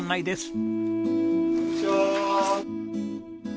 こんにちはー。